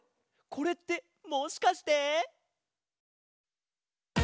これってもしかして。